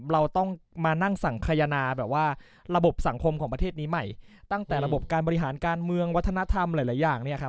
เราต้องมานั่งสังขยนาแบบว่าระบบสังคมของประเทศนี้ใหม่ตั้งแต่ระบบการบริหารการเมืองวัฒนธรรมหลายอย่างเนี่ยครับ